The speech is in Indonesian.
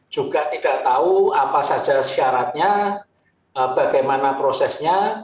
juga tidak tahu apa saja syaratnya bagaimana prosesnya